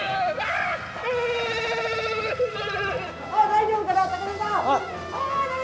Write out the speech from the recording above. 大丈夫かな？